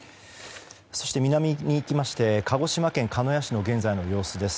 南に行きまして鹿児島県鹿屋市の現在の様子です。